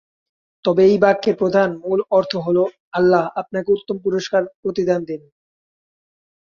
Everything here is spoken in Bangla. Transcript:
তবে এই বাক্যের প্রধান/মূল অর্থ হলোঃ- "আল্লাহ আপনাকে উত্তম পুরস্কার/প্রতিদান দিন"।